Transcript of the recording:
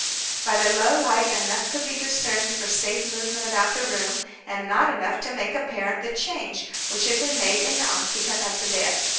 By the low light enough could be discerned for safe movement about the room, and not enough to make apparent the change which had been made in the occupant of the bed.